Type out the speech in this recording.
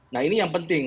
nah ini yang penting